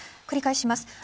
繰り返します。